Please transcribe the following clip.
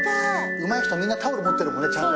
うまい人はみんなタオル持ってるもんねちゃんと。